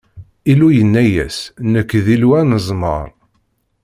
Illu yenna-yas: Nekk, d Illu Anezmar!